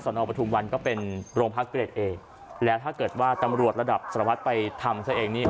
นอปทุมวันก็เป็นโรงพักเกรดเองแล้วถ้าเกิดว่าตำรวจระดับสารวัตรไปทำซะเองนี่